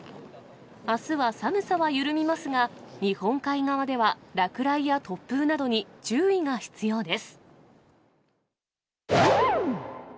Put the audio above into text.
あすは寒さは緩みますが、日本海側では落雷や突風などに注意が必要です。